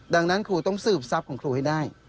ดังนั้นครูต้องสืบทรัพย์ของครูให้ได้